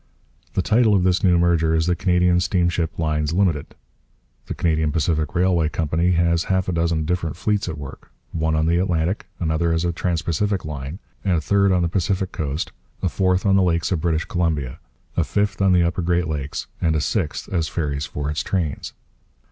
The title of this new merger is the Canada Steamship Lines Limited. The Canadian Pacific Railway Company has half a dozen different fleets at work: one on the Atlantic, another as a trans Pacific line, a third on the Pacific coast, a fourth on the lakes of British Columbia, a fifth on the upper Great Lakes, and a sixth as ferries for its trains.